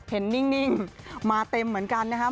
นิ่งมาเต็มเหมือนกันนะครับ